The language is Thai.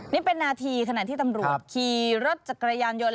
นี่เป็นนาทีขณะที่ตำรวจขี่รถจักรยานยนต์